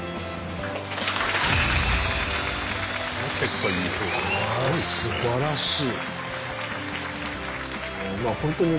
これすばらしい！